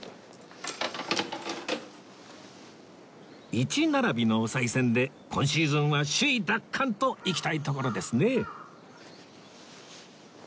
「１」並びのおさい銭で今シーズンは首位奪還といきたいところですね